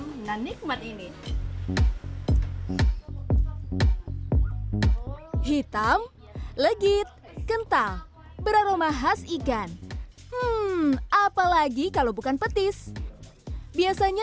dengan nikmat ini hitam legit kental beraroma khas ikan apalagi kalau bukan petis biasanya